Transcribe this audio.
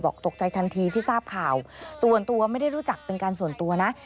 ตกใจทันทีที่ทราบข่าวส่วนตัวไม่ได้รู้จักเป็นการส่วนตัวนะ